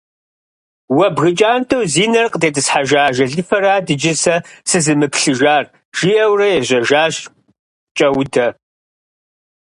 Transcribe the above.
Уэ бгы кӀантӀэу зи нэр къытетӀысхьэжа ажалыфэрат иджы сэ сызымыплъыжар! - жиӀэурэ ежьэжащ КӀэудэ.